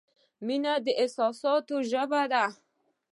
• مینه د احساساتو ژبه ده.